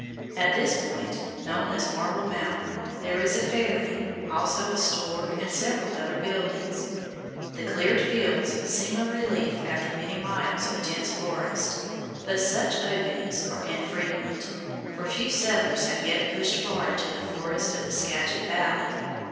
At this point, known as Marble Mountain, there is a ferry, also a store and several other buildings. The cleared fields seem a relief after many miles of dense forest, but such openings are infrequent, for few settlers have yet pushed far into the forests of the Skagit valley.